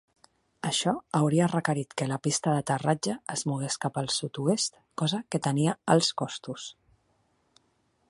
Això hauria requerit que la pista d'aterratge es mogués cap al sud-oest, cosa que tenia alts costos.